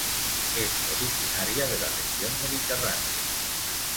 Es originaria de la región mediterránea.